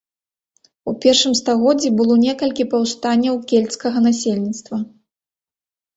У першым стагоддзі было некалькі паўстанняў кельцкага насельніцтва.